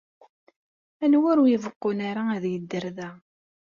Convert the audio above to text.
Aniwa ur ibeqqun ara ad yedder da?